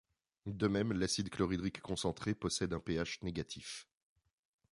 De même, l'acide chlorhydrique concentré possède un pH négatif.